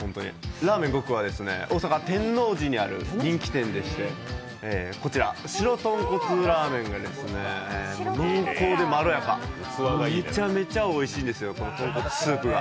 らーめん極は大阪天王寺にある人気店でしてこちら白とんこつラーメンが濃厚でまろやかめちゃめちゃおいしいんですよ、スープが。